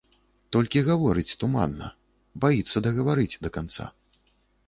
Толькі гаворыць туманна, баіцца дагаварыць да канца.